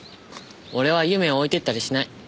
俺は祐芽を置いて行ったりしない。